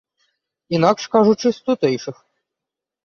Інакш кажучы, з тутэйшых.